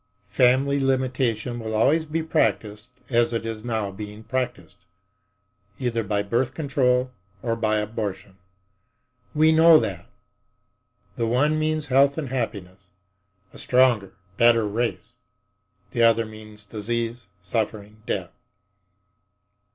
Family limitation will always be practiced as it is now being practiced—either by birth control or by abortion. We know that. The one means health and happiness—a stronger, better race. The other means disease, suffering, death.